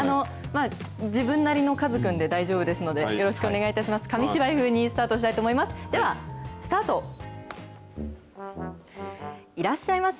自分なりのカズくんで大丈夫ですので、よろしくお願いいたします。